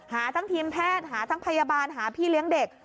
หาทั้งทีมแพทย์หาทั้งพยาบาลหาพี่เลี้ยงเด็ก